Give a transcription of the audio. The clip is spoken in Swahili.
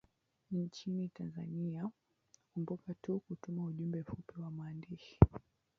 nchini tanzania kumbuka tu kutuma ujumbe mfupi wa maandishi